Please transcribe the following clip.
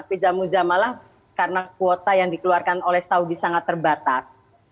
vija muzamalah karena kuota yang dikeluarkan oleh saudi sangat terbatas